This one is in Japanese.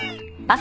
あ！